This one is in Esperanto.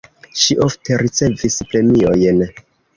Ŝi ofte ricevis premiojn.